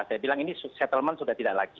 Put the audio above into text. saya bilang ini settlement sudah tidak lagi